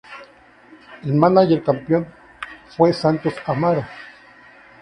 El mánager campeón fue Santos Amaro.